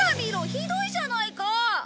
ひどいじゃないか。